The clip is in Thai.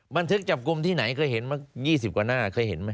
บันทึกจับกลุ่มที่ไหนเคยเห็นมา๒๐กว่าหน้าเคยเห็นไหม